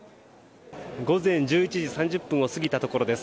午前１１時３０分を過ぎたところです。